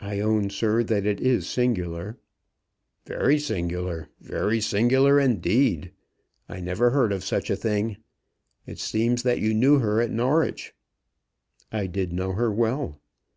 "I own, sir, that it is singular." "Very singular, very singular indeed. I never heard of such a thing. It seems that you knew her at Norwich." "I did know her well."